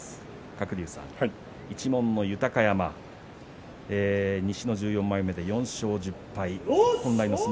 鶴竜さん、一門の豊山西の１４枚目、４勝１０敗です。